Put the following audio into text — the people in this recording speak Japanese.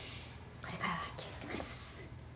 これからは気を付けます。